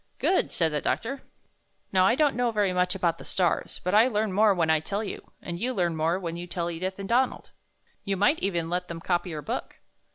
"Good!" said the doctor. "Now, I don't know very much about the stars, but I learn 22 I found this on . 23 more when I tell you, and you learn more when you tell Edith and Donald. You might even let them copy your book."